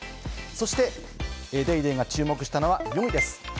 そして『ＤａｙＤａｙ．』が注目したのは４位です。